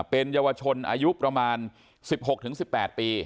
เป็นเยาวชนอายุประมาณ๑๖๑๘ปี